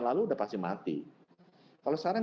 lalu udah pasti mati kalau sekarang